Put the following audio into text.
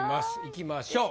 いきましょう。